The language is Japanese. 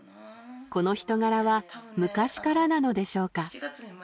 この人柄は昔からなのでしょうか？